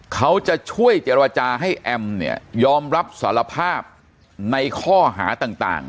เขาจะช่วยเจรจาให้แอมเนี่ยยอมรับสารภาพในข้อหาต่าง